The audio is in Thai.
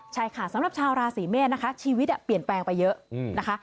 ใช่ค่ะสำหรับชาวราศีเมษนะคะชีวิตเปลี่ยนแปลงไปเยอะนะคะ